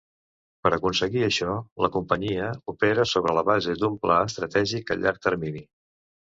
Per aconseguir això, la companyia opera sobre la base d'un pla estratègic a llarg termini.